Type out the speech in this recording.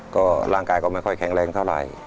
ก็ร่างกายก็ไม่ค่อยแข็งแรงเท่าไหร่